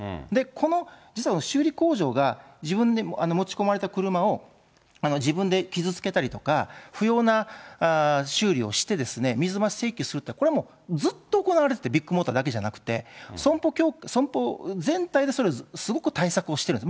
この実は修理工場が自分で持ち込まれた車を自分で傷つけたりとか、不要な修理をして水増し請求するって、これはもう、ずっと行われてて、ビッグモーターだけじゃなくて、損保全体でそれをすごく対策をしてるんです。